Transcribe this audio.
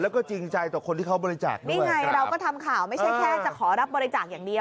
แล้วก็จริงใจต่อคนที่เขาบริจาคด้วยนี่ไงเราก็ทำข่าวไม่ใช่แค่จะขอรับบริจาคอย่างเดียว